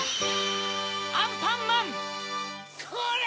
アンパンマン‼こら！